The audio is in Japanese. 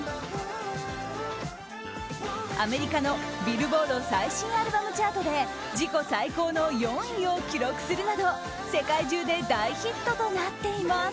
アメリカのビルボード最新アルバムチャートで自己最高の４位を記録するなど世界中で大ヒットとなっています。